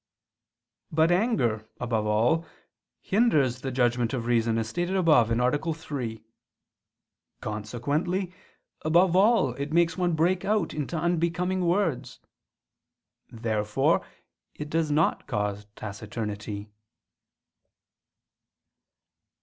But anger, above all, hinders the judgment of reason, as stated above (A. 3). Consequently above all it makes one break out into unbecoming words. Therefore it does not cause taciturnity.